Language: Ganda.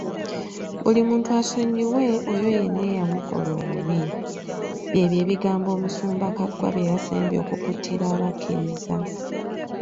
"Buli muntu asonyiwe oyo yenna eyamukola obubi", byebyo ebigambo Omusumba Kaggwa byeyasembye okukuutira abakkiriza.